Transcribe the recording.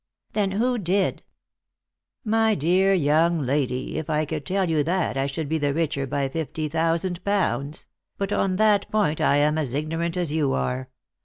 "Then who did?" "My dear young lady, if I could tell you that I should be the richer by fifty thousand pounds; but on that point I am as ignorant as you are.